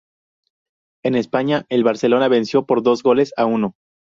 En España, el Barcelona venció por dos goles a uno.